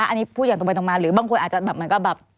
อันนี้พูดอย่างตรงไปตรงมาหรือบางคนอาจจะแบบเหมือนกับแบบ